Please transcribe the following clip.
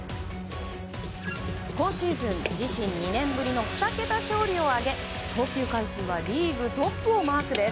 今シーズン自身２年ぶりの２桁勝利を挙げ投球回数はリーグトップをマークです。